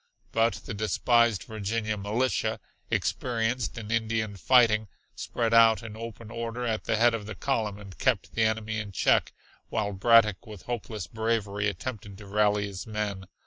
But the despised Virginia militia, experienced in Indian fighting, spread out in open order at the head of the column and kept the enemy in check, while Braddock with hopeless bravery attempted to rally his men.